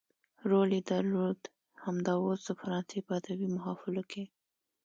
رول يې درلود همدا اوس د فرانسې په ادبي محافلو کې.